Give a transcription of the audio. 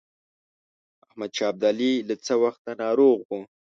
احمدشاه ابدالي له څه وخته ناروغ وو.